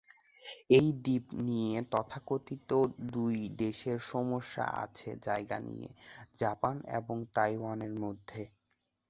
এই দ্বীপ নিয়ে তথা কথিত দুই দেশের সমস্যা আছে জায়গা নিয়ে, জাপান এবং তাইওয়ান এর মধ্যে।